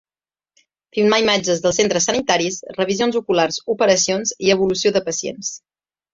Filmar imatges dels centres sanitaris, revisions oculars, operacions i evolució de pacients.